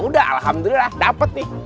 udah alhamdulillah dapet nih